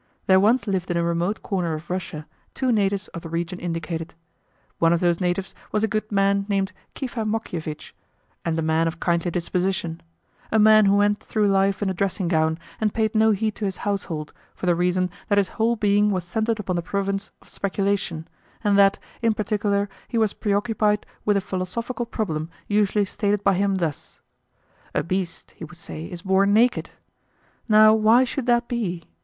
There once lived in a remote corner of Russia two natives of the region indicated. One of those natives was a good man named Kifa Mokievitch, and a man of kindly disposition; a man who went through life in a dressing gown, and paid no heed to his household, for the reason that his whole being was centred upon the province of speculation, and that, in particular, he was preoccupied with a philosophical problem usually stated by him thus: "A beast," he would say, "is born naked. Now, why should that be?